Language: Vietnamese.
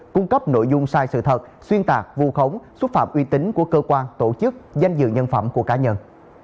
cung cấp nội dung sai sự thật xuyên tạc vù khống xúc phạm uy tín của cơ quan tổ chức danh dự nhân phẩm của cá nhân